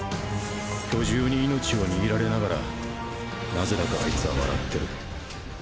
巨獣に命を握られながら何故だかあいつは笑ってる。